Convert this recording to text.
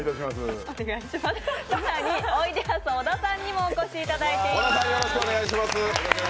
おいでやす小田さんにもお越しいただいています。